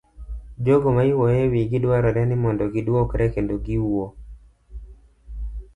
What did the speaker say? Jogo ma iwuoyo ewigi dwarore ni mondo giduokre kendo giwuo.